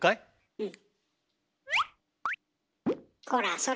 うん。